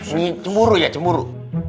ini cemburu ya cemburu